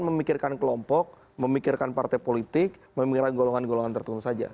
memikirkan kelompok memikirkan partai politik memikirkan golongan golongan tertentu saja